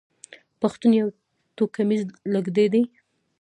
پښتون يو توکميز لږکي دی.